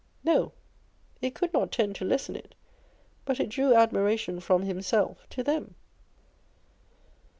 No : it could not tend to lessen it, but it drew admiration from himself to them.